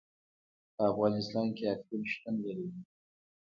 په افغانستان کې اقلیم شتون لري.